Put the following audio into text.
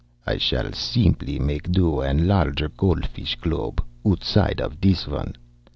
I shall simply make a new and larger gold fish globe, outside of this one.